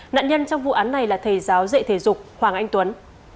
nạn nhân trong vụ án này là thầy giáo dạy thể dục hoàng anh tuấn